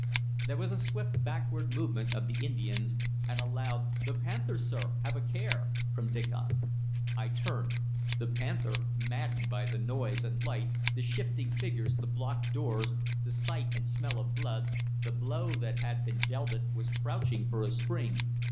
There was a swift backward movement of the Indians, and a loud "The panther, sir! Have a care!" from Diccon. I turned. The panther, maddened by the noise and light, the shifting figures, the blocked doors, the sight and smell of blood, the blow that had been dealt it, was crouching for a spring.